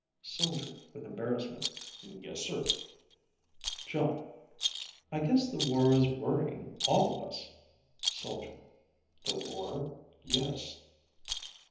Soldier, with embarrassment: "Yes, sir." Jon: "I guess the war is worrying all of us." Soldier: "The war? Yes."